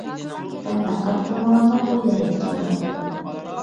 مەن دىققەت قىلمىغاندا، بۇ يەرگە كېلىۋاپتۇ.